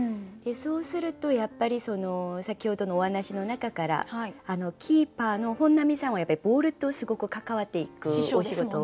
そうするとやっぱり先ほどのお話の中からキーパーの本並さんはやっぱりボールとすごく関わっていくお仕事。